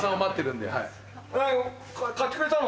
買ってくれたの？